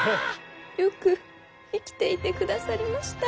よく生きていてくださりました。